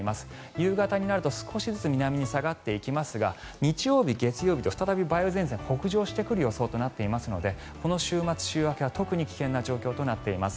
夕方になると少しずつ南に下がっていきますが日曜日、月曜日と再び梅雨前線北上してくる予想となってますのでこの週末、週明けは特に危険な状況となっています。